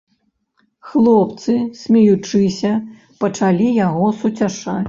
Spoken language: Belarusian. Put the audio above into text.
Хлопцы, смеючыся, пачалі яго суцяшаць.